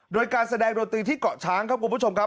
โดยการแสดงดนตรีที่เกาะช้างครับคุณผู้ชมครับ